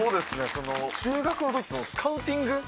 中学の時スカウティング。